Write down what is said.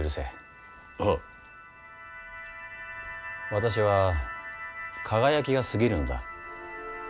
私は輝きがすぎるのだ。